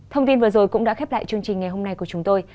thông tin vừa rồi cũng đã khép lại chương trình ngày hôm nay của chúng tôi